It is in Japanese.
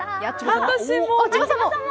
私も。